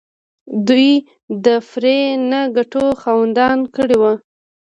دوی د پرې نه ګټو خاوندان کړي وو.